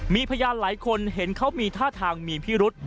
มีพยานหลายคนเห็นเขามีท่าทางมีพิรุษ